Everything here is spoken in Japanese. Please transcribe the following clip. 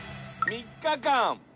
３日間！？